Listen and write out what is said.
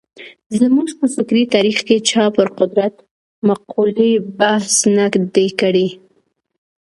زموږ په فکري تاریخ کې چا پر قدرت مقولې بحث نه دی کړی.